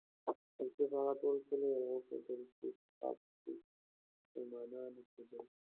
یوسف هغه ټول کلي راوښودل چې پخوا په کې مسلمانان اوسېدل.